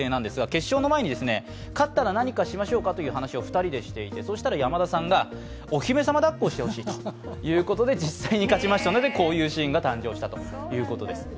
決勝の前に勝ったら何かしましょうかという話を２人でしていてそしたら山田さんがお姫様だっこしてほしいということで、実際に勝ちましたので、こういうシーンが誕生したということです。